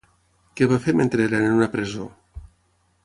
Què va fer mentre era en una presó?